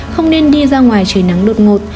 không nên đi ra ngoài trời nắng đột ngột